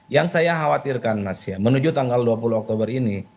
yang saya khawatirkan mas ya menuju tanggal dua puluh oktober ini